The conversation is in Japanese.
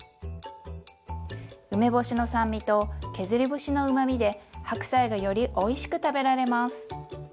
梅干しの酸味と削り節のうまみで白菜がよりおいしく食べられます。